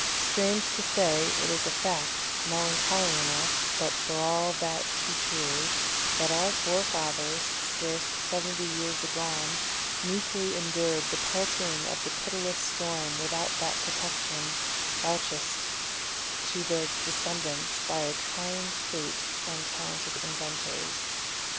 Strange to say, it is a fact, melancholy enough, but for all that too true, that our forefathers, scarce seventy years agone, meekly endured the pelting of the pitiless storm without that protection vouchsafed to their descendants by a kind fate and talented inventors.